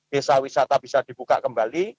desa wisata bisa dibuka kembali